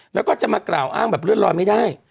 แล้วก็จะมากล่าวอ้างแบบเลื่อนลอยไม่ได้